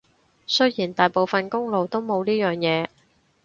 雖然大部分公路都冇呢樣嘢